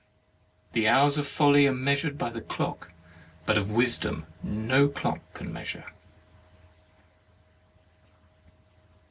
The hours of folly are measured by the clock, but of wisdom no clock can measure.